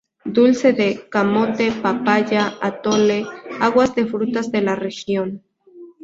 Dulces de: camote, papaya, atole, aguas de frutas de la región.